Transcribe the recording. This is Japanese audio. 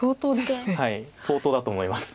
はい相当だと思います。